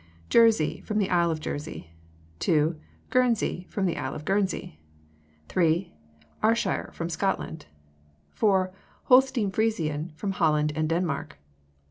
Jersey, from the Isle of Jersey. 2. Guernsey, from the Isle of Guernsey. 3. Ayrshire, from Scotland. 4. Holstein Frisian, from Holland and Denmark.